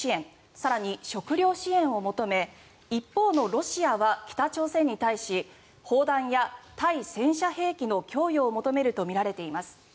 更に、食糧支援を求め一方のロシアは北朝鮮に対し砲弾や対戦車兵器の供与を求めるとみられています。